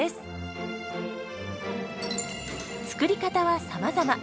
作り方はさまざま。